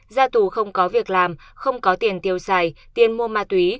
ra tù không có việc làm không có tiền tiêu xài tiên mua ma túy